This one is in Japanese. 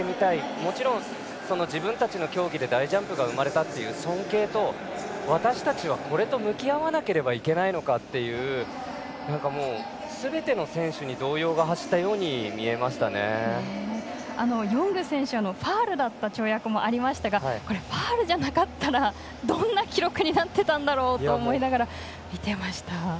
もちろん、自分たちの競技で大ジャンプが生まれたという尊敬と、私たちはこれと向き合わなければいけないのかというすべての選手にヨング選手はファウルだった跳躍もありましたがファウルじゃなかったらどんな記録になっていたんだろうと思いながら見ていました。